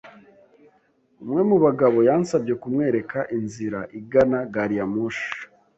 Umwe mu bagabo yansabye kumwereka inzira igana gariyamoshi.